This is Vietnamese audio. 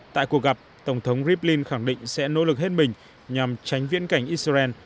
tại cuộc gặp tổng thống rivlin khẳng định sẽ nỗ lực hết mình nhằm tránh viễn cảnh israel